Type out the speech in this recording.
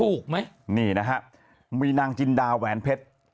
ถูกไหมนี่นะฮะมีนางจินดาแหวนเพชร